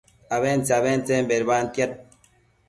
abentse-abentsen bedbantiad